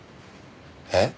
えっ？